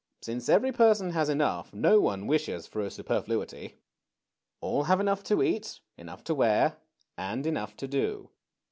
Since every person has enough, no one wishes for a super fluity. All have enough to eat, enough to wear, and enough to do.